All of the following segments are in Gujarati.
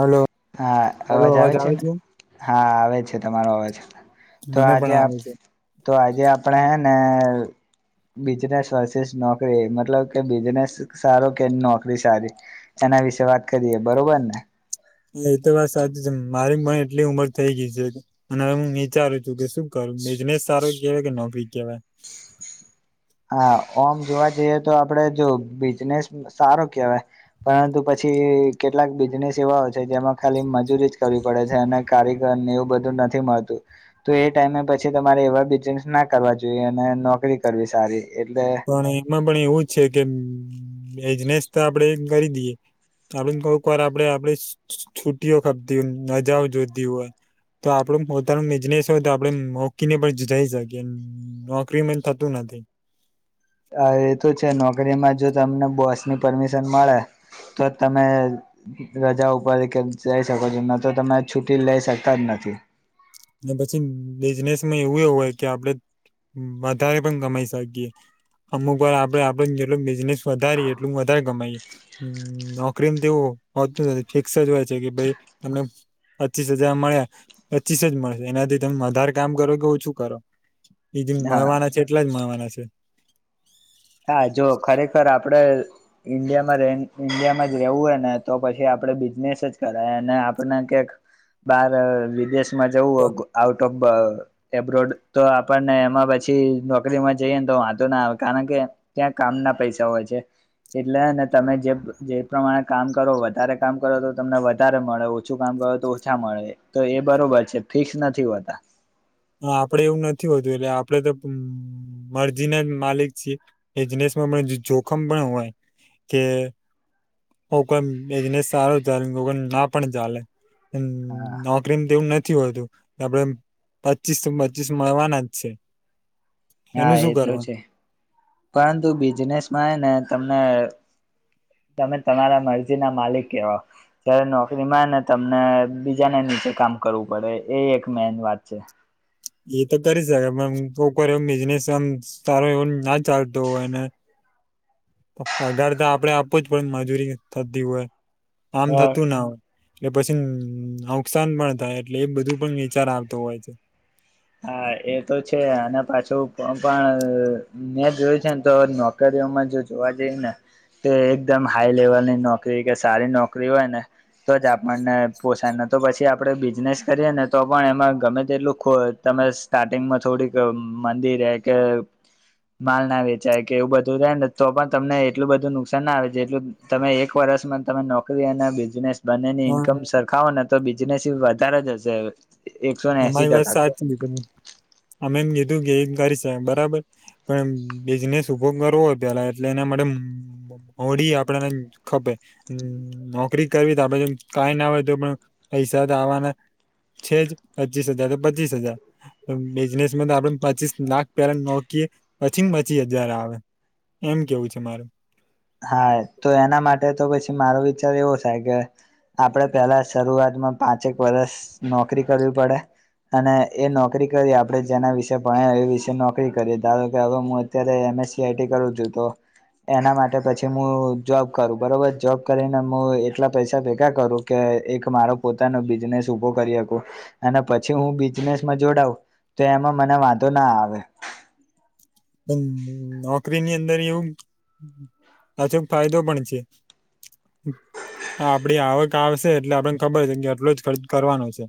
હલો હા અવાજ આવે છે ને હા આવે છે તમારો અવાજ તો મને આજે પણ આપ આવે છે. તો આજે આપણેે હે ને બિજનેસ વર્ષસ નોકરી મતલબ કે બિઝનેસ સારો કે નોકરી સારી એના વિશે વાત કરીએ બરોબર ને. એ તો વાત સાચી છે મારી પણને એટલી ઉમર થઈ ગઈ છે અને હવે હું વિચારું છું કે શું કર બિજનેસ સારો કેવાય કે નોકરી કેવાય. હા ઓમ જોવા જઈએ તો આપડે જો બિઝનેસ સારો કેહેવાય પરંતુ પછી કેટલાક બિઝનેસ એવા છે જેમાં ખાલી મજૂરી જ કરવી પડે છે અને કારીગર ને એવું બધું નથી. તો એ ટાઈમે પછી તમારે એવા બિઝનેસ ના કરવા જોઈએ અને નોકરી કરવી સારી એટલે પણ એમાં પણ એવું છે કે બજનેસ તો આપણેે કરી દઈએ. આપડ કહક વાર આપડે આપણે છુ્ટઓ ખાપતી હોય મજાઓ જોતી હોય. તો આપડું પોતાનું બિઝનેસ હોય તો આપડે મોકીને પણ જઈ શકીએ નોકરીમાં થતું નથી. [inaudible] હ એ તો છે નોકરીમાં જો તમને બોસની પરમિશન મળે તો તમે રજા ઉપર કે જઈ શકો છો ન તો તમે છુટી લઇ શકતા જ નથી. પજે [unintelligible] પછી બિઝનેસમાં એવું એ હોય કે આપડે વધારે પણ ગમાઈ શકીએ. અમુક વાર આપડે આપડે જેટલ બિઝનેસ વધારી એટલું વધારે ગમાઈ નોકરીને તેવું હોતું નથી ફિક્સ જ હોય છે કે ભાઈ તમને પચીસ હજાર મળ્યા પચીસ જ મળ એનાથી તમે વધારે કામ કરો કે ઓછું કરો એ જે હા મળવાના છે એટલા જ મળવાના છે. હા જો ખરેખર આપડે ઈન્ડિયામાં ઈન્ડિયામાં જ રવું હોય ને તો પછી આપ બિઝનેસ જ કર અને આપ કક બાર વિદેશ માં જવું આઉટ ઓફ એબ્રોડ તો આપણને એમાં પછી નોકરીમાં જઈએ ને તો વાંધો ના આવે કારણ કે ત્યાં કામ ના પૈસા હોય છે. એટલે ને તમે જે પ્રમાણે કામ કરો વધારે કામ કરો તો તમને વધારે મળે ઓછું કામ કર તો ઓછા મળે તો એ બરોબર છે ફિક્સ નથી હોતા આપડે એવું નથી હોતું એટલે આપડે તો મરજી ના જ માલિક છીએ બિજનેસ જોખમ પણ હોય કે હ કોઈ એજને સારો ચાલે ના પણ ચાલે-' હુમ હા નોકરી તેવું નથી હોતું આપણે પચીસ તો પચીસ મળવાના જ છે. હા એનું એ શું તો કરવાનું છે પરંતુ બિઝનેસમાં ને તમને તમે તમારા મરજી ના માલિક કેવાવ જારે નોકરીમાં ને તમને બીજાને નીચે કામ કરવું પડે એ એક મેન વાત છે. એ તો કરી શકે પણમ કોર એવ બિઝનેસ એમ સારો એવું ના ચાલતો હો એને પગાર તો આપડે આપો જ પડ મજૂરી થતી હોય આમ હા. થતું ના હોય એટલે પછી નુકસાન પણ થાય એટલે એ બધું પણ વિચાર આવતો હોય છે. હા એ તો છે અને પાછું પણ મે જોય છે ને તો નોક એમા જો જોવા જઈ ને તે એકદમ હાઈ લેવલની નોકરી કે સારી નોકરી હોય ને તો જ આપણને પોસાયને તો પછી આપણે બિઝનેસ કરીએ ને તો પણ એમાં ગમે તેટલું ખો તમે સ્ટાર્ટિંગમાં થોડીક મમાંંદી રે કે માલ ના વેચાય કે એવું બધું થાયને તો પણ તમને એટલું બધું નુકસાન ના આવે જેટલું તમે એક વર્ષ યસ મેમ તમે નોકરી અને બિઝનેસ બંનેની હા ઈન્કમ સરખાવો ને તો બિઝનેસ વધારે જ હશે એકસો ને એસી તમારી વાત ટકા સાચી પણ અમે એમ કીધું કે એ કરી શ બરાબર પણ બિઝનેસ ઉભો કરવો હોય પેલા એટલે એના માટે હોડી આપડને ખપે નોકરી કરવી તો આપડે કઈ ના હોય તો પણ પૈસા આવાના છે જ પચીસ હજાર તો પચીસ હજાર બિઝનેસ તો આપડે પચીસ લાખ પેલા નોકીએ પછી પચી હજાર આવે એમ કેવું છે મારું. હા તો એના માટે તો પછી મારો વિચાર એવો થાય કે. આપડે પેલા શરૂઆતમાં પાંચેક વરષ નોકરી કરવી પડે અને એ નોકરી કરી આપડે જેના વિશેે ભણય એ વિશે નોકરી કરીએ ધારો કે હવેું અત્યારે સીઆઈટી કરું છું તો એના માટે ને પછી મુ જોબ કરું બરોબર જોબ કરીનેું મુ એટલા પૈસા ભેગા કરું કે એક મારા પોતાનો બિઝનેસ ઉભો કરી હકુ અને પછી હું બિનેસમાં જોડાવ તો એમાં મને વાંધો ના આવે. નોકરીની અંદર એવું પાછો ફાયદો પણ છે. આપડી આવક આવશે એટલે આપને ખબર છે કે આટલો જ ખર્ચ કરવાનો છે.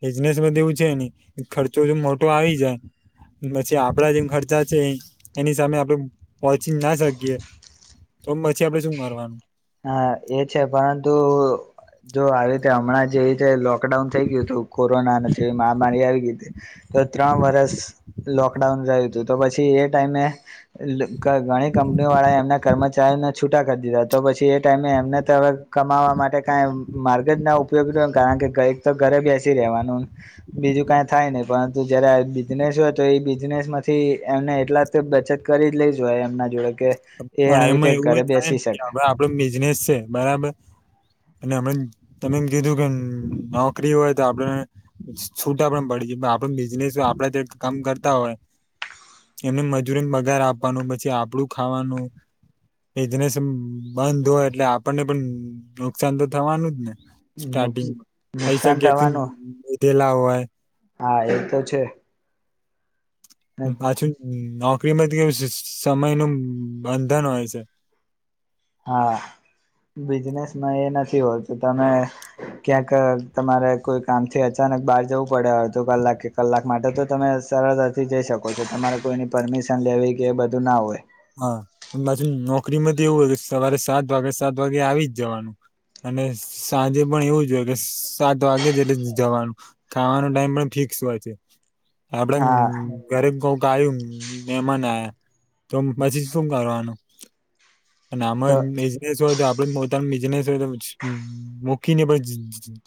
બિઝનેસમાં એવું છે ને ખર્ચો મોટો આવી જાય પછી આપડા જેમ ખર્ચ છે એની સામે આપડે પહોંચી ના શકીએ તો પછી આપડે શું કરવાનું. હા એ છે પરંતુ જો આવી રીતે હમણાં જેવી રીતે લોકડાઉન થઈ ગયું હતું કોરોના અને જેવી મહામારી આવી ગ તો ત્રણ વરસ લોકડાઉન રહયું હતું તો પછી એ ટાઈમે ઘણી કંપનીઓ વાળાએ એમના કર્મચારીઓને છૂટા કરી દીધા તો પછી એ ટાઈમે એમને તો હવે કમાવા માટે કઈ માર્ગ જ ના ઉપયોગી રયો કારણ કે કંઈક તો બેસી રવાનું બીજું કઈ થાય નહી પરંતુ જયારે બિઝનેસ હોય તો એ બિઝનેસ માંથી એમને એટલા તો બચત કરી જ લઈ જ હોય એમના જોડે કે એ પણ આવી રીતે એમાં એવું ઘરે એ થાય બેસી ને શકે. [unintelligible] બિઝનેસ છે, બરાબર [unintelligible] તમે એમ કીધું કે નોકરી હોય તો આપડે છૂટા પણ પડી જે આપડ બિઝનેસ હોય આપડા ત્યાં કામ કરતા હોય એમને મજૂરીને પગાર આપવાનું પછી આપડું ખાવાનું બિઝનેસ બંધ હોય એટલે આપણને પણ નુકસાન તો થવાનું જ ને સ્ટાર્ટિંગ પૈસા નુકસાન ક્યાંથી થવાનું લીધેલા હોય. હા એ તો છે. પાછું નો, [inaudible] સમય નુ બંધન હોય છે. હા. બિઝનેસમાં એ નથી હોત તમે ક્યાંક તમારે કોઈ કામથી અચાન અને બહાર જવું પડે અડધો કલાક કે કલાક માટે તો તમે સરળતાથી જઈ શકો છો તમારે કોઈની પરમિશ [unintelligible] લેવી કે એ બધું ના હોય હા પણ પાછુ નોકરીમાં એવું હો સવારે સાત વાગે સાત વાગે આવી જ જવાનું. અને સાંજે પણ એવું જોય કે સાત વાગે જ એટલે જવાનું ખાવાનો ટાઈમ પણ ફિ [unintelligible] છે, આપડે હા ઘરે કોક આયું મેમાન આયા તો પછી શું કરવાનું અને તો આમાં બિજનેસ હોય તો આપડ બિઝનેસ હોય મૂકીને પણ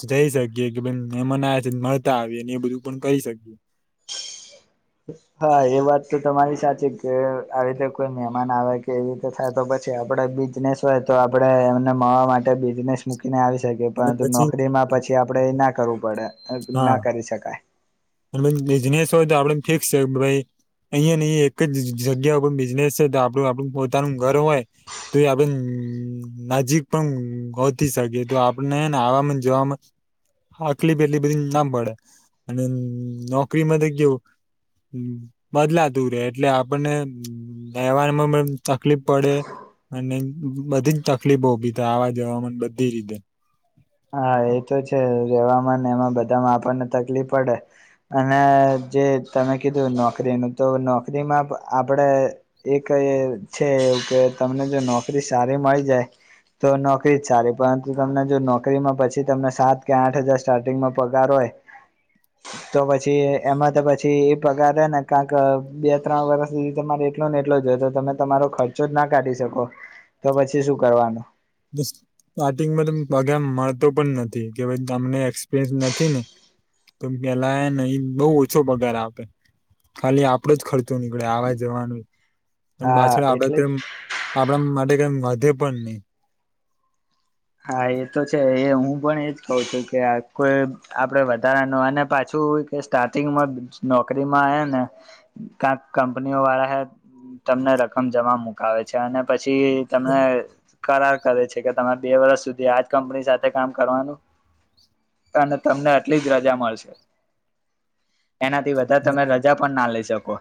જઈ શકીએ કે ભાઈ મેમાન આયા છે તો આવી એ બધું પણ કરી શકીએ. હા એ વાત તો તમારી [unintelligible] કે આવી રીતે કોઈ મહેમાન આવે કે એવી રીતે થાય તો પછી આપડે બિજનેસ હોય તો આપડે એમને મળવા માટે બિઝનેસ. કે અને પરંતુ પછી નોકરીમાં પછી આપડે ના કરવું પડે હા ના કરી શકાય [unintelligible] બિઝનેસ હોય તો આપડે [inaudible] અહિયાં [unintelligible] એક જ જગ્યા ઉપર બિઝનેસ છે, તો આપડું આપડું પોતાનું ઘર હોય તો એ આપડે હમ નજીક પણ ગોતી શકે તો આપણે ને [unintelligible] જવામાં આટલી [unintelligible] એટલી બધી ના પડે અને નોકરીમાંથી કેવું બદલાતું રે એટલે આપણને રહેવામાં પણ તકલીફ પડે અને બધી જ તકલીફો ઉભી થાય આવા જવામાં બધી રીતે હા એતો છે, રેવામાં ને એમાં બધામાં આપણને તકલીફ પડે અને જે તમે કીધું નોકરીનું તો નોકરીમાં આપડે [unintelligible] છે. કે તમને જો નોકરી સારી મળી જાય તો નોકરી સારી પરંતુ તમને જો નો કરીમાં પછી તમને સાત કે આઠ હજાર સ્ટાર્ટિંગમાં પગાર હોય તો પછી એમાં તો પછી એ પગાર ને કા ક બે ત્રણ વર્ષ સુધી તમારી એટલો ને એટલો જો તો તમે તમારો ખર્ચો જ ના કાઢી શકો તો પછી શું કરવાનો સ્ટાર્ટિંગમાં તો પગાર મળતો પણ નથી કે ભાઈ તમને એક્સપિરિયન્સ નથી ને તો પેલા નઈ બોવ ઓછો પગાર આપે ખાલી આપડો જ ખર્ચો નીકળે આવા જવાનો હા પાછળ આપડે એટલે જ તેમ આપડા માટે કઈ વધે પણ નહી હા એ તો છે એ હું પણ એજ કહું છું કે આ કોઈ આપડે વધારા ન અને પાછું કે સ્ટાર્ટિંગમાં નોકરીમાં આયેં ને કાંક કંપનીઓ વાળા હૈ, તમને રકમ જમા મુકાવે છે, અને પછી તમને કરાર કરે છે. કે તમારે બે વર્ષ સુધી આજ કંપની સાથે કામ કરવાનું તને તમને આટલી જ રજા મળશે. એના થી વધારે તમે રજા પણ ના લેેઈ શકો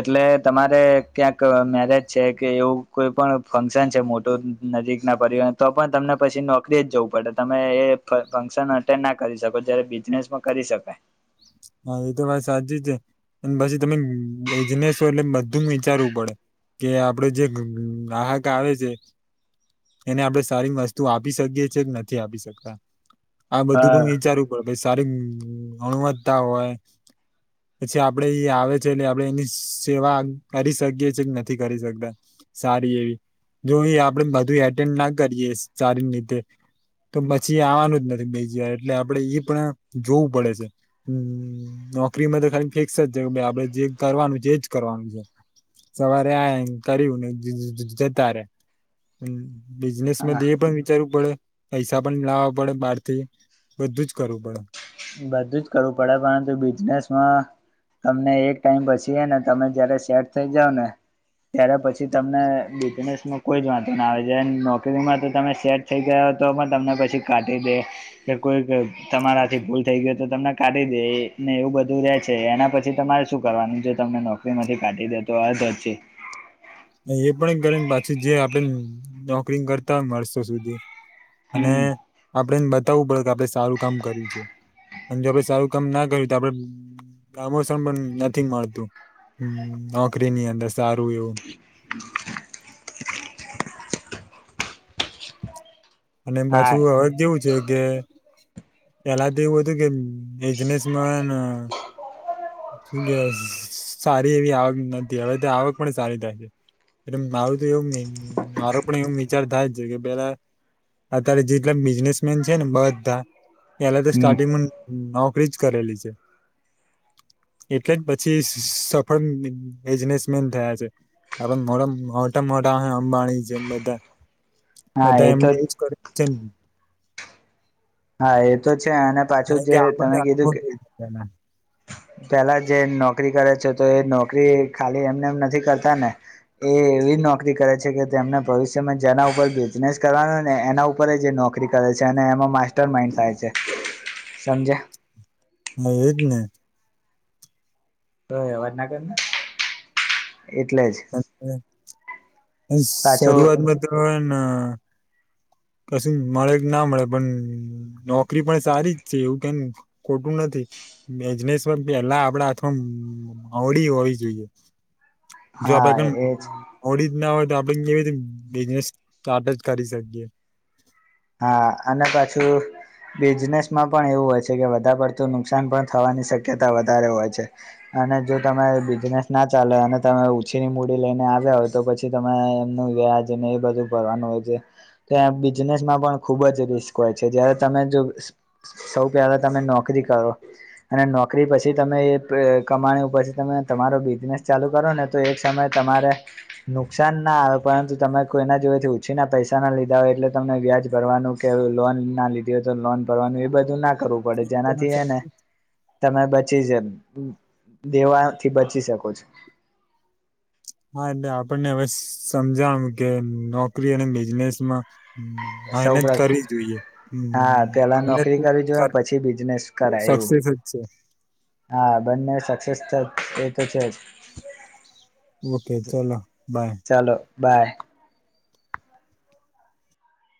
એટલે તમારે ક્યાંક મેરેજ છે કે એવું કોઈ પણ ફંક્સન છે મો મોટું નજીક ના પરિવાર તો પણ તમને પછી નોકરી જ જવું પડે તમે એ ફંક્શન અટેન્ડ ના કરી શકો જ્યારે બિઝનેસમાં કરી શ [unintelligible] હા એ તો વાત સાચી છે અને પછી તમે બીજનેસ એટલે બધું વિચારવું પડે કે આપડે જે ગ ગ ગાહક આવે છે. એને આપણે સારી વસ્તુ આપી શકીએ છે કે નથી આપી શકતા આ બધું પણ હા વિચારવું પડે સારી ગણવત્તા હોય. પછી આપડે એ આવે છે એટલે આપણે એની સેવા કરી શકીએ કે નથી કરી શકતા. સારી એવી જો આપડે બધું એટેન્ડ ના કરીએ સારી રીતેે તો પછી આવવાનું જ નથી બીજી વાર એટલે આપડે ઈ પણ જોવું પડે છે હમ નોકરીમાં તો ખાલી ફિક્સ જ છે આપડે જે કરવાનું છે જ કરવાનું છે. સવારે આ કર્યું ને જતા રે બિઝનેસ હા પણ વિચારવું પડે પૈસા પણ લાવવા પડે બાર તી બધું જ કરવું પડે બધું જ કરવું પડે પરંતુ બિઝનેસમાં તમને એક ટાઈમ પસી ને તમે જયારે સેટ થઇ જાઓ ને ત્યારે પછી તમને બિઝનેસમાં કોઈ જ વાંધો ના આવે છે જ્યારે નોકરીમાં તો તમે સેટ થઈ ગયા પણ તમને પછી કાઢી દે કે કોઈ તમારાથી ભૂલ થઈ ગયો તો તમને કાઢી દેને એવું બધું રે છે એના પછી તમારે શું કરવાનું તમને નોકરીમાંથી કા આ દી તો આ જે [unintelligible] [unintelligible] એ પણ કરી પાછી જે આપણે નોકરી કરતા વરસો સુધી અને હમ આપણેને બતાવવું પડે કે આપડે સારું કામ કર્યું છે. અને જો આપડે સારું કામ ના કર્યું તો આપડે પ્રમોસન પણ નથી મળતું હમ નોકરી ની અંદર સારું એવું [unintelligible] અને હા પાછું હવે કેવું છે કે પેલા તો એવું હતું કે બઇઝનેસનમાં અન શું કેવાય સારી એવી આવક નથી હવે આવક પણ સારી થાય છે. એટ મારું તો એવું મારો પણ એવ વિચાર થાય છે કે પેલા અત્યારે જેટલા બિઝનેસ મેન છે ને બધા પેલા તો હમ સ્ટાર્ટિંગ નો કરી જ કરેલી છે એટલે જ પછી સફળ બિઝનેસમેન થયા છે. આપડે મોડમ [unintelligible] મોટા મોટા અંબાણી જેમ બધા હા બધા એ તો એમને [unintelligible] હા એ તો છે, અને પાછું કારણ કે જે આપણને તમે કીધું અનુભવ કે પેલા જે નોકરી કરે છે, તો એ નોકરી, ખાલી એમનેમ નથી કરતા ને, એ એવી નોકરી કરે છે, કે તેમને ભવિષ્યમાં જેના ઉપર બિઝનેસ કરવાનો ને એના ઉપર જ એ નોકરી કરે [unintelligible] એમાં માસ્ટર માઇન્ડ થાય છે, સમજ્યા! [unintelligible] [unintelligible] એટલે જ. પાછું [unintelligible] કશું મળે [unintelligible] ના મળે પણ, નોકરી પણ સારી જ છે, એવું [unintelligible] ખોટું નથી. [unintelligible] પેલા આપડા હાથ [unintelligible] [unintelligible] હોવી જોઈએ. જો આપડે, હા એજ [unintelligible] હોય! [unintelligible] બિઝનેસ, સ્ટાર્ટ જ કરી શકીએ. હા અને પાછું બિજનેસમાં પણ એવું હોય છે, કે વધારે પડતું નુકસાન પણ થવાની શક્યતા વધારે હોય છે. અને જો તમે બિઝનેસ ના ચાલે અને તમે ઉછીની મૂડી લઈને આવ્યા હોય તો પછી તમે વ્યાજને એ બધું ભરવાનું હોય છે. [unintelligible] માં પણ ખૂબ જ રિસ્ક હોય છે, જયારે તમે જો સૌ પહેલા તમે નોકરી કરો અને નોકરી પછી તમે એ, [unintelligible] કમાણી પછી તમે તમારો બિઝનેસ ચાલુ કરો ને તો એક સમય [inaudible] નુકસાન ના આવે પરંતુ તમે કોઈના જોડેથી ઉછીના પૈસા ના લીધા હોય એટલે તમને વ્યાજ ભરવાનું કે અ, લોન ના લીધી હોય તો લોન ભરવાનું એ બધું ના કરવું પડે જેનાથી એ ને તમે [unintelligible] [unintelligible] ઉઉ દેવાથી બચી શકો છો. હા એટલે આપણને હવે સસસમજાણુ કે નોકરી અને બિઝનેસમાં સૌ મહેનત કરવી જોઈએ હા પેલા નોકરી હનનન કરવી જોઈએ પછી બિઝનેસ [unintelligible] કરાય એવું સકસેસ અચ્ હા બંને સક્સેસ થત્, એ તો છે જ. ઓકે ચલો, બાય. ચાલો બાય.